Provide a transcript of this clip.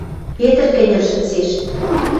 — Петр кӹньӹл шӹнзеш.